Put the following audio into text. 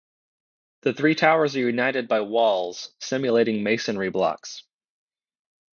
The three towers are united by walls, simulating masonry blocks.